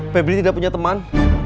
feble tidak punya teman